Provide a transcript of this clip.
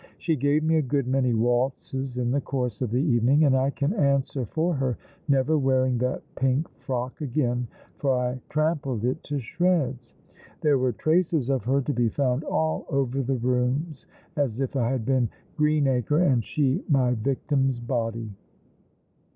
She gave me a good many waltzes in the course of the evening, and I can answer for her never wearing that pink frock again, for I trampled it to shreds. There were traces of her to be found all over the rooms, as if I had been Greenacro and she my victim's body."